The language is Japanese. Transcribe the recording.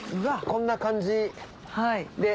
こんな感じで。